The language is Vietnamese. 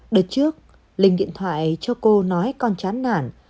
đợt trước linh điện thoại cho cô nói con chán nản